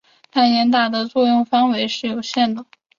但严打的作用范围是有限的。